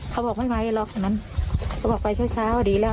เขาบอกไม่ไหวหรอกฉะนั้นเขาบอกไปช้าดีแล้ว